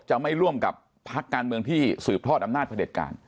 จะไม่ร่วมกับพักการเมืองที่สืบทอดอำนาจพระเด็จการ